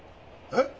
えっ？